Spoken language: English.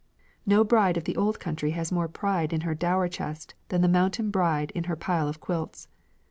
No bride of the old country has more pride in her dower chest than the mountain bride in her pile of quilts.